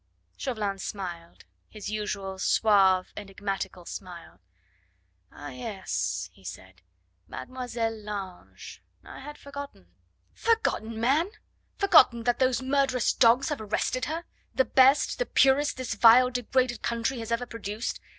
Chauvelin smiled, his usual suave, enigmatical smile. "Ah, yes!" he said. "Mademoiselle Lange. I had forgotten." "Forgotten, man? forgotten that those murderous dogs have arrested her? the best, the purest, this vile, degraded country has ever produced.